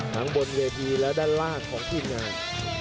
บนเวทีและด้านล่างของทีมงาน